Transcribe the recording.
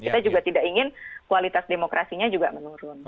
kita juga tidak ingin kualitas demokrasinya juga menurun